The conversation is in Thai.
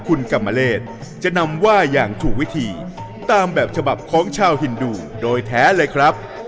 คุณกรรมเลศจะนำว่าอย่างถูกวิธีตามแบบฉบับของชาวฮินดูโดยแท้เลยครับ